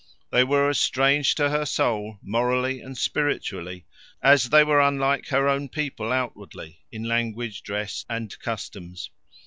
They were as strange to her soul, morally and spiritually, as they were unlike her own people outwardly in language, dress, and customs.